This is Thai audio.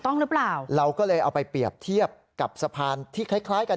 ต้องหรือเปล่าเราก็เลยเอาไปเปรียบเทียบกับสะพานที่คล้ายคล้ายกัน